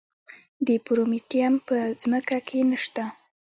د پرومیټیم په ځمکه کې نه شته.